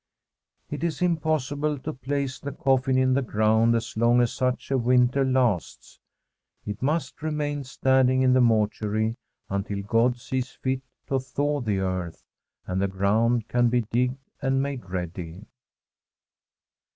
It is impossible to place the coffin in the ground as long as such a winter lasts. It must remain standing in the mortuary until God sees fit to thaw the earth, and the ground can be digged and made ready.